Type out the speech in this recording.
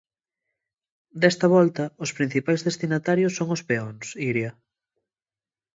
Desta volta, os principais destinatarios son os peóns, Iria.